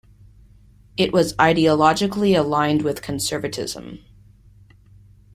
It was ideologically aligned with conservatism.